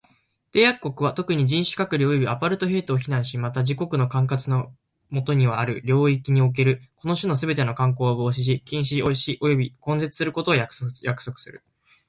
締約国は、特に、人種隔離及びアパルトヘイトを非難し、また、自国の管轄の下にある領域におけるこの種のすべての慣行を防止し、禁止し及び根絶することを約束する。